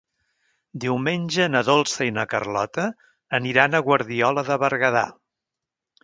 Diumenge na Dolça i na Carlota aniran a Guardiola de Berguedà.